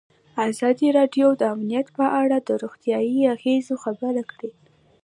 ازادي راډیو د امنیت په اړه د روغتیایي اغېزو خبره کړې.